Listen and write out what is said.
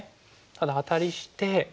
ただアタリして。